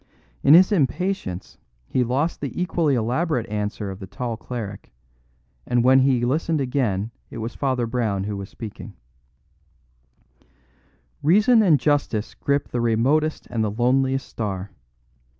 In his impatience he lost the equally elaborate answer of the tall cleric, and when he listened again it was again Father Brown who was speaking: "Reason and justice grip the remotest and the loneliest star.